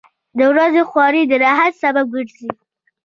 • د ورځې خواري د راحت سبب ګرځي.